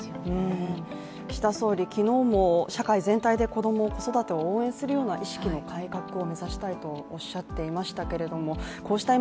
岸田総理、昨日も社会全体で子供、子育てを応援するような社会を目指したいとおっしゃっていましたけれどもプレモルが新しくなります